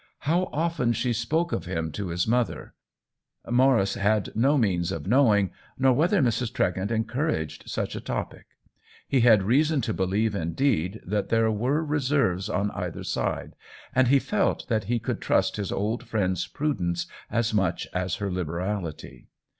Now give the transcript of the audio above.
How often she 70 THE WHEEL OF TIME spoke of him to his mother Maurice had no means of knowing, nor whether Mrs. Tre gent encouraged such a topic ; he had rea son to believe indeed that there were re serves on either side, and he felt that he could trust his old friend^s prudence as much as her liberality.